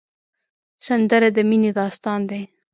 سندره د مینې داستان دی